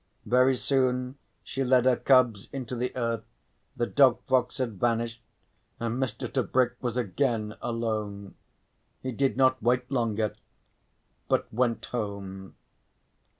Very soon she led her cubs into the earth, the dog fox had vanished and Mr. Tebrick was again alone. He did not wait longer but went home.